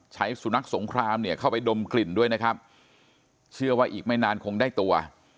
ใช้สุนัขสงครามเนี่ยเข้าไปดมกลิ่นด้วยนะครับเชื่อว่าอีกไม่นานคงได้ตัว